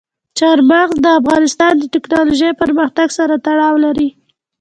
چار مغز د افغانستان د تکنالوژۍ پرمختګ سره تړاو لري.